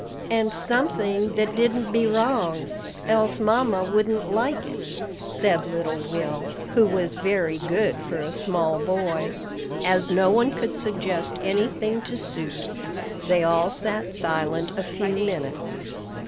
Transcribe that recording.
"And something that didn't be wrong, else mamma wouldn't like it," said little Will, who was very good for a small boy. As no one could suggest any thing to suit, they all sat silent a few minutes.